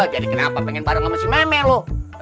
jadi kenapa pengen bareng sama si meme lo